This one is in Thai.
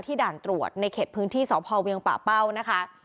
ด่านตรวจในเขตพื้นที่สพเวียงป่าเป้านะคะ